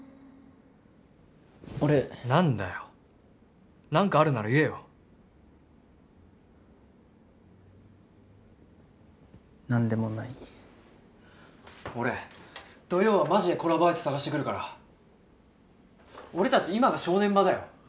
俺何だよ何かあるなら言えよなんでもない俺土曜はマジでコラボ相手探してくるから俺たち今が正念場だよ